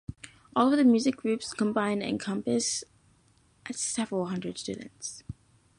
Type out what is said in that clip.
All of the music groups combined encompass several hundred students.